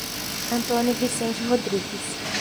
Antônio Vicente Rodrigues